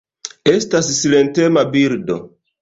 Estas silentema birdo.